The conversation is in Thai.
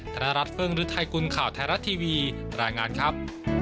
ธนรัฐเฟิร์งฤทธิ์ไทยกุลข่าวธนรัฐทีวีรายงานครับ